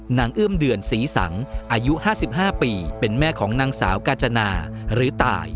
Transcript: เอื้อมเดือนศรีสังอายุ๕๕ปีเป็นแม่ของนางสาวกาจนาหรือตาย